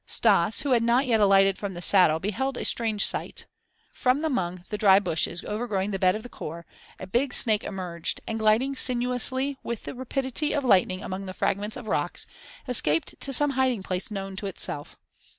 Stas, who had not yet alighted from the saddle, beheld a strange sight. From among the dry bushes overgrowing the bed of the "khor," a big snake emerged and, gliding sinuously with the rapidity of lightning among the fragments of rocks, escaped to some hiding place known to itself.